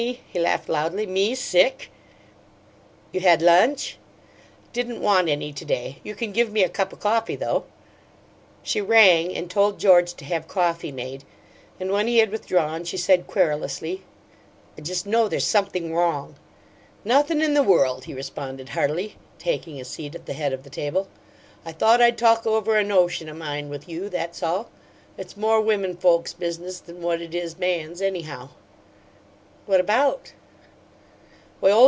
He laughed loudly. "Me SICK?" "You had lunch?" "Didn't want any to day. You can give me a cup o' coffee, though." She rang, and told George to have coffee made, and when he had withdrawn she said querulously, "I just know there's something wrong." "Nothin' in the world," he responded, heartily, taking a seat at the head of the table. "I thought I'd talk over a notion o' mine with you, that's all. It's more women folks' business than what it is man's, anyhow." "What about?"